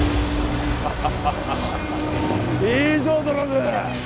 ハハハハハああいいぞドラム！